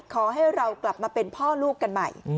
ขอให้เรากลับมาเป็นพ่อลูกกันใหม่